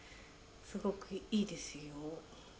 すごくいいですよ。